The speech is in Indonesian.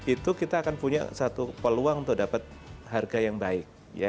itu kita akan punya satu peluang untuk dapat harga yang baik